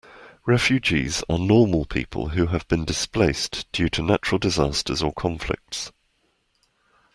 Refugees are normal people who have been displaced due to natural disaster or conflicts